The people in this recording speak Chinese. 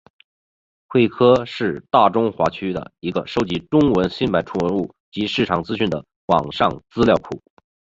慧科是大中华区的一个收集中文新闻出版物及市场资讯的网上资料库。